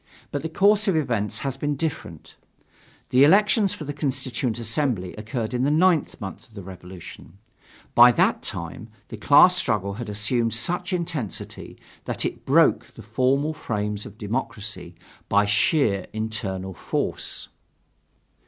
But the course of events has been different. The elections for the Constituent Assembly occurred in the ninth month of the Revolution. By that time the class struggle had assumed such intensity that it broke the formal frames of democracy by sheer internal force.